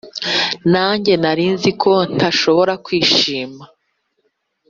nange narinzi ko ntashobora kwishima